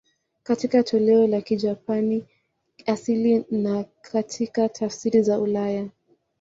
Katika toleo la Kijapani asili na katika tafsiri za ulaya.